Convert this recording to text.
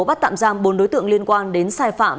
bắt tạm giam bốn đối tượng liên quan đến sai phạm